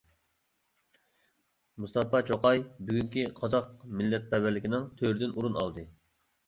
مۇستاپا چوقاي بۈگۈنكى قازاق مىللەتپەرۋەرلىكىنىڭ تۆرىدىن ئورۇن ئالدى.